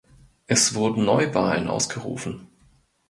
Es wurden Neuwahlen ausgerufen.